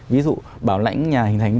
ví dụ bảo lãnh nhà hình thành